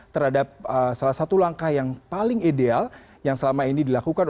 terhadap salah satu langkah yang paling ideal yang selama ini dilakukan